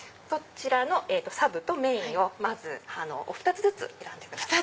サブとメインをお２つずつ選んでください。